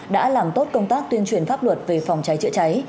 đã làm tốt công tác tuyên truyền pháp luật về phòng cháy chữa cháy